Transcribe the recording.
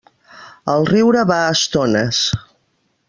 El riure va a estones.